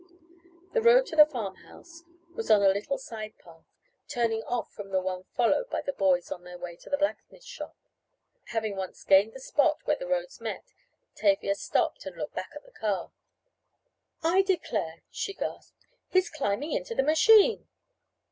The road to the farm house was on a little side path turning off from the one followed by the boys on their way to the blacksmith shop. Having once gained the spot where the roads met, Tavia stopped to look back at the car. "I declare!" she gasped. "He is climbing into the machine."